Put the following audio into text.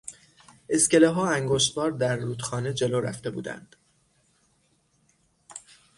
اسکلهها انگشتوار در رودخانه جلو رفته بودند.